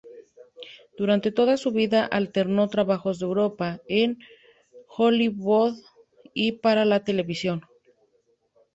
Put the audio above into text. Durante toda su vida alternó trabajos en Europa, en Hollywood y para la televisión.